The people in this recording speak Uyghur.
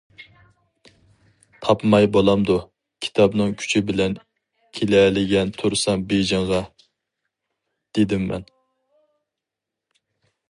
تاپماي بولامدۇ، كىتابنىڭ كۈچى بىلەن كېلەلىگەن تۇرسام بېيجىڭغا، دېدىممەن.